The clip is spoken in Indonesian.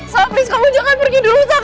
sal please kamu dengerin aku dulu sal